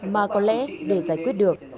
mà có lẽ để giải quyết được